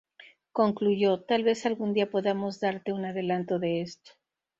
Concluyó: "Tal vez algún día podamos darte un adelanto de esto".